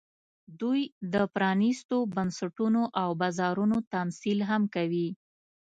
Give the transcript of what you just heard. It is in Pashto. دوی د پرانېستو بنسټونو او بازارونو تمثیل هم کوي